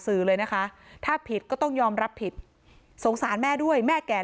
สื่อเลยนะคะถ้าผิดก็ต้องยอมรับผิดสงสารแม่ด้วยแม่แก่